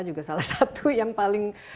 juga salah satu yang paling